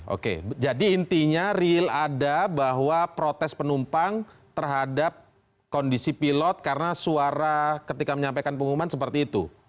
oke jadi intinya real ada bahwa protes penumpang terhadap kondisi pilot karena suara ketika menyampaikan pengumuman seperti itu